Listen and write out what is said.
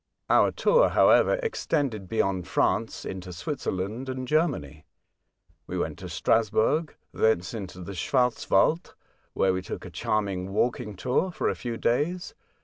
Our tour, however, ex tended beyond France into Switzerland and Germany. We went to Strasburg, thence into the Schwarz Wald, where we took a charming walking tour for a few days.